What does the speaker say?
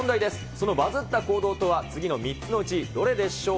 そのバズった行動とは次の３つのうちどれでしょう？